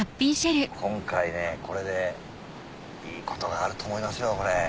今回これでいいことがあると思いますよ。